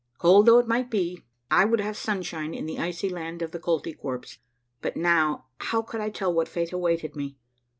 Cold though it might be, I would have sunshine in the icy land of the Koltykwerps, but now how could I tell what fate awaited me